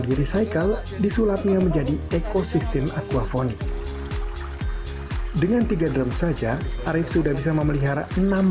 dirisikal disulapnya menjadi ekosistem aquafonic dengan tiga drum saja arief sudah bisa memelihara